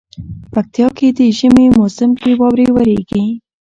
پکتيا کي دي ژمي موسم کي واوري وريږي